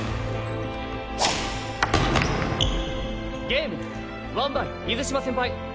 ゲームワンバイ水嶋先輩。